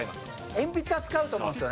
鉛筆は使うと思うんですよ。